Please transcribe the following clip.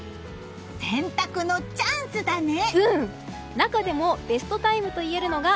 洗濯のチャンスだね！